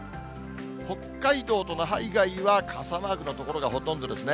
北海道と那覇以外は、傘マークの所がほとんどですね。